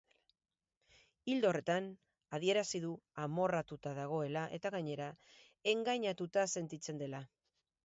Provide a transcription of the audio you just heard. Ildo horretan, adierazi du amorratuta dagoela eta gainera engainatuta sentitzen dela.